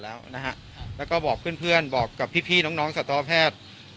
แล้วนะฮะแล้วก็บอกเพื่อนบอกกับพี่พี่น้องน้องสตรอแพทย์